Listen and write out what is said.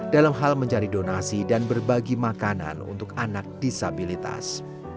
dalam hal mencari donasi dan berbagi makanan untuk anak disabilitas